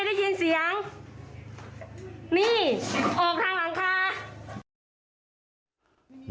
เดี๋ยวให้กลางกินขนม